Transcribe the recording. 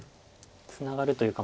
ツナがるというか。